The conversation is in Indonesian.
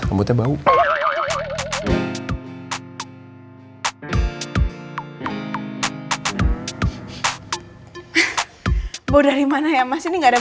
nih kamu kalau gak bisa cium beneran